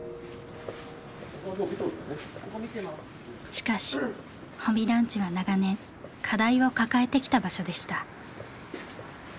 しかし保見団地は長年課題を抱えてきた場所でした。